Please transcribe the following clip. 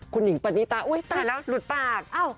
คุณหญิงปัดนี้ตาอุ้ยตายแล้วหลุดปาก